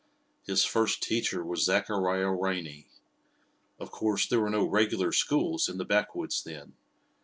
His first teacher was Zachariah Riney. Of course, there were no regular schools in the backwoods then.